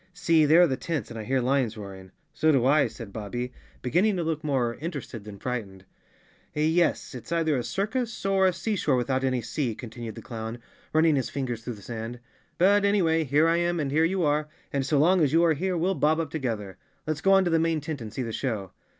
See, there are the tents, and I hear lions roaring." "So do I," said Bobbie beginning to look more inter¬ ested than frightened. "Yes, it's either a circus or a sea shore without any sea, continued the clown, running his fingers through the sand. "But anyway, here I am and here you are, and so long as you are here we'll bob up together. Let's go on to the main tent and see the show."